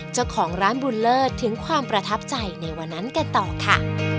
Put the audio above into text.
เจ้าของร้านบุญเลิศถึงความประทับใจในวันนั้นกันต่อค่ะ